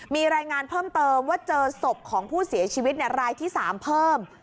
มีรายงานเพิ่มเติมว่าเจอศพของผู้เสียชีวิตรายที่๓เพิ่ม